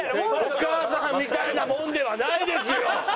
お母さんみたいなもんではないですよ！